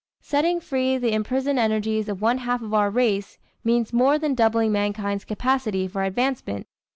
Setting free the imprisoned energies of one half of our race, means more than doubling mankind's capacity for advancement.